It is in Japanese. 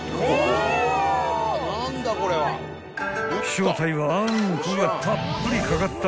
［正体はあんこがたっぷり掛かった］